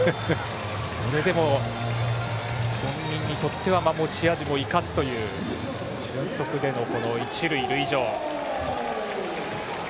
それでも、本人にとっては持ち味を生かすという俊足での一塁塁上。